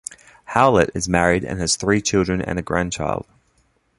Howlett is married and has three children and a grandchild.